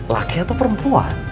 laki atau perempuan